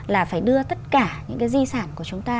là phải đưa tất cả những cái di sản của chúng ta